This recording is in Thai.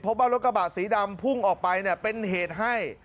พบว่ารถกระบะสีดำพุ่งออกไปเป็นเหตุให้